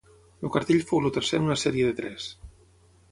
El cartell fou el tercer en una sèrie de tres.